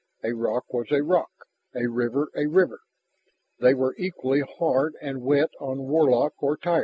A rock was a rock, a river a river. They were equally hard and wet on Warlock or Tyr.